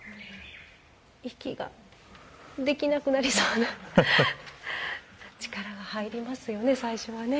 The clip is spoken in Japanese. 息ができなくなりそうな力が入りますよね、最初はね。